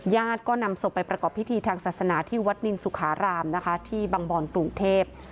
ญาติก็นำศพไปประกอบพิธีทางศาสนาที่วัดนินสุขารามนะคะที่บังบอนกรุงเทพ